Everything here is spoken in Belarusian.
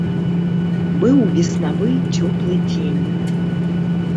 Быў веснавы цёплы дзень.